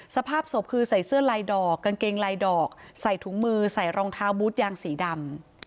สภาพศพคือใส่เสื้อลายดอกกางเกงลายดอกใส่ถุงมือใส่รองเท้าบูธยางสีดำ